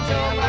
teh kosong deh